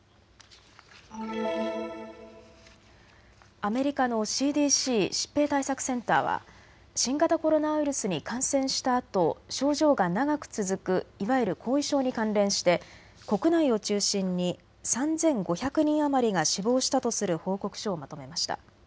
アメリカのＣＤＣ・疾病対策センターは新型コロナウイルスに感染したあと症状が長く続くいわゆる後遺症に関連して国内を中心に３５００人余りが死亡したとする報告書をまとめました。